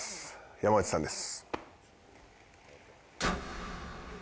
山内さんです。